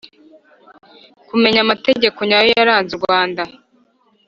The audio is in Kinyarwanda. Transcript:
kumenya amateka nyayo yaranze urwanda,